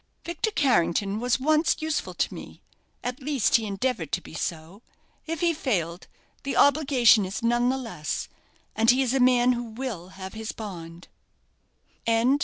"Victor Carrington was once useful to me at least he endeavoured to be so. If he failed, the obligation is none the less; and he is a man who will have his bond."